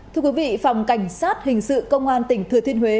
thưa quý vị phòng cảnh sát hình sự công an tỉnh thừa thiên huế